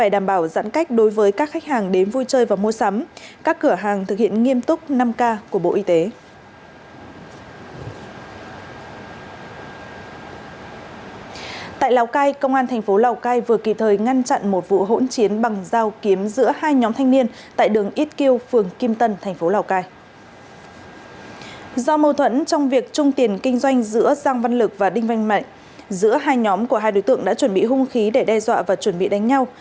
trong việc trung tiền kinh doanh giữa giang văn lực và đinh văn mạnh giữa hai nhóm của hai đối tượng đã chuẩn bị hung khí để đe dọa và chuẩn bị đánh nhau